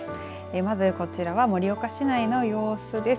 まずこちらは盛岡市内の様子です。